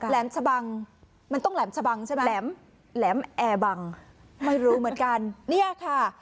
แหมชะบังมันต้องแหลมชะบังใช่ไหมแหลมแหลมแอร์บังไม่รู้เหมือนกันเนี่ยค่ะ